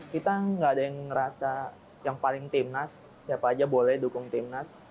kita nggak ada yang ngerasa yang paling timnas siapa aja boleh dukung timnas